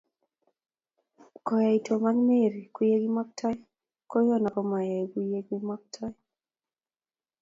koyai tom Ak Mary kuyekokimaktoi ko yahana komayai kuyee kokimaktoi